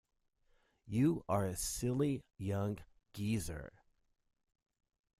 You are a silly young geezer.